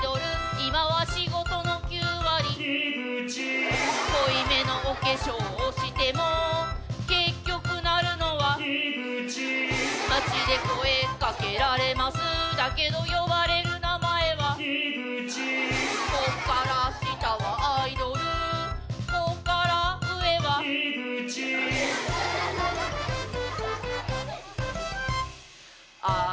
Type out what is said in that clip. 今は仕事の９割井口濃いめのお化粧をしても結局なるのは井口街で声かけられますだけど呼ばれる名前は井口ここから下はアイドルここから上は井口歩